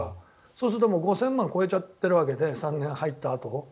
そうすると５０００万超えちゃってるわけで３年過ぎたあと。